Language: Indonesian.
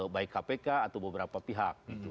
baik kpk atau beberapa pihak